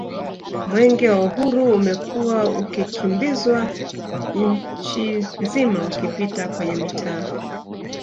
Mwenge wa Uhuru umekuwa ukikimbizwa Nchi nzima ukipita kwenye mitaa